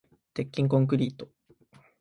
鉄筋コンクリート